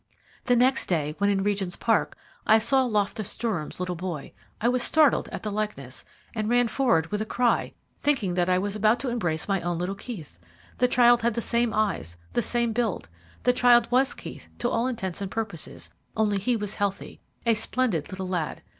"The next day, when in Regent's Park, I saw Loftus Durham's little boy. I was startled at the likeness, and ran forward with a cry, thinking that I was about to embrace my own little Keith. The child had the same eyes, the same build. The child was Keith to all intents and purposes, only he was healthy a splendid little lad.